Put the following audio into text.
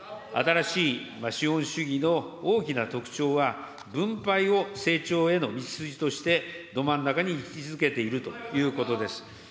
新しい資本主義の大きな特徴は、分配を成長への道筋としてど真ん中に位置づけているということです。